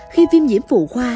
khi viêm nhiễm phụ khoa